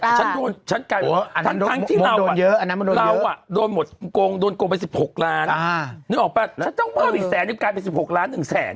นึกออกป่ะฉันว่าอีกแสนก็กลายเป็น๑๖๑ล้าน